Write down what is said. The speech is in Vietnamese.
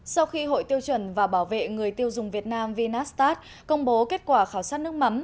sau khi hội tiêu chuẩn và bảo vệ người tiêu dùng việt nam vinastat công bố kết quả khảo sát nước mắm